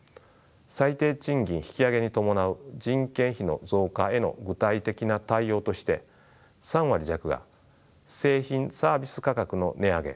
最低賃金引き上げに伴う人件費の増加への具体的な対応として３割弱が「製品・サービス価格の値上げ」